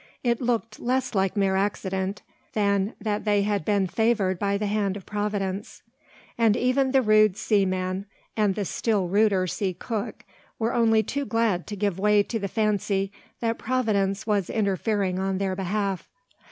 It looked less like mere accident than that they had been favoured by the hand of Providence; and even the rude seaman, and the still ruder sea cook, were only too glad to give way to the fancy that Providence was interfering on their behalf.